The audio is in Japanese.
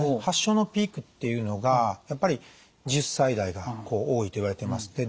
発症のピークっていうのがやっぱり１０歳代が多いといわれています。